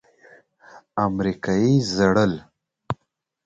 امريکايي ژړل.